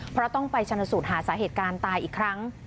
เพราะต้องไปชนสูตรหาสาเหตุการณ์ตายอีกครั้ง